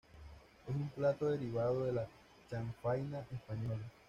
Es un plato derivado de la chanfaina española.